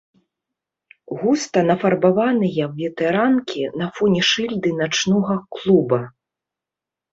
Густа нафарбаваныя ветэранкі на фоне шыльды начнога клуба.